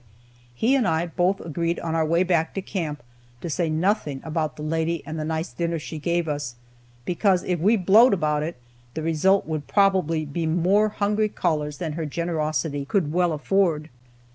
He and I both agreed on our way back to camp to say nothing about the lady and the nice dinner she gave us, because if we blowed about it, the result would probably be more hungry callers than her generosity could well afford.